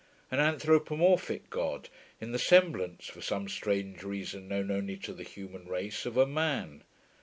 An anthropomorphic God, in the semblance, for some strange reason known only to the human race, of a man.